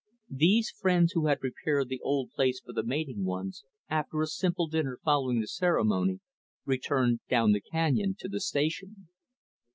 These friends who had prepared the old place for the mating ones, after a simple dinner following the ceremony, returned down the canyon to the Station.